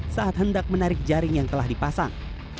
saat hendak menarik jaring yang telah dipasang